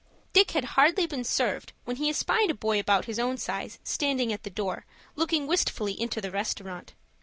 Dick had scarcely been served when he espied a boy about his own size standing at the door, looking wistfully into the restaurant.